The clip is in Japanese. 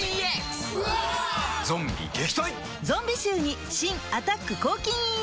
ゾンビ臭に新「アタック抗菌ＥＸ」